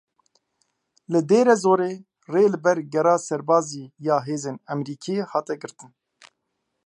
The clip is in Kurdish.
Li Dêre Zorê rê li ber gera serbazî ya hêzên Amerîkî hat girtin.